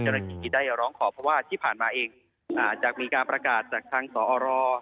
ที่ได้ร้องขอเพราะว่าที่ผ่านมาเองอาจจะมีการประกาศจากทางสอร